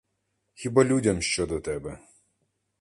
Хіба людям що до тебе!